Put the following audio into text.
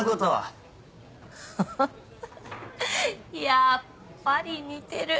やっぱり似てる。